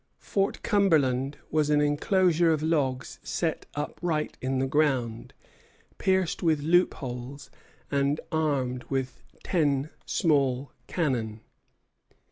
Fort Cumberland was an enclosure of logs set upright in the ground, pierced with loopholes, and armed with ten small cannon.